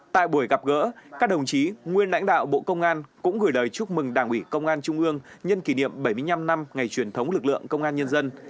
tại buổi gặp gỡ các đồng chí nguyên lãnh đạo bộ công an cũng gửi lời chúc mừng đảng ủy công an trung ương nhân kỷ niệm bảy mươi năm năm ngày truyền thống lực lượng công an nhân dân